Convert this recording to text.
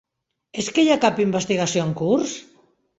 És que hi ha cap investigació en curs?